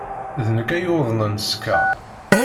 D nekk ay yuḍnen sskeṛ.